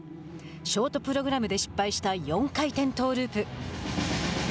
ショートプログラムで失敗した４回転トーループ。